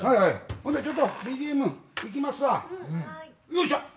よいしょ。